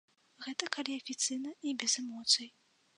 Гэта калі афіцыйна і без эмоцый.